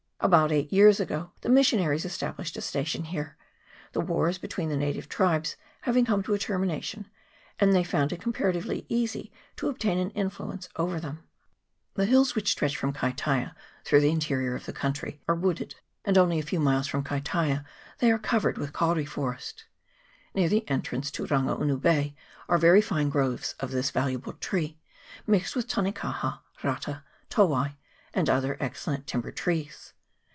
About eight years ago the missionaries esta blished a station here, the wars between the native tribes having come to a termination, and they found it comparatively easy to obtain an influence over them. The hills which stretch from Kaitaia, through CHAP. XIII.] HILLS NEAR KAITAIA. 219 the interior of the country, are wooded, and only a lew miles from Kaitaia they are covered with kauri forest. Near the entrance to Rangaunu Bay are very fine groves of this valuable tree, mixed with tanekaha, rata, towai, and other excellent timber trees.